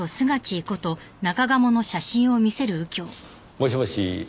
もしもし？